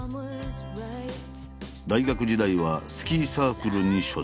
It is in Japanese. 大学時代はスキーサークルに所属。